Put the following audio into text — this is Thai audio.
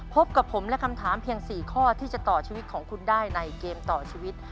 พบกับผมและคำถามเพียง๔ข้อที่จะต่อชีวิตของคุณได้ในเกมต่อชีวิต